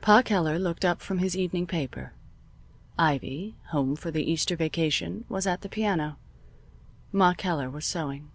Pa Keller looked up from his evening paper. Ivy, home for the Easter vacation, was at the piano. Ma Keller was sewing.